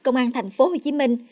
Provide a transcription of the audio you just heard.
công an thành phố hồ chí minh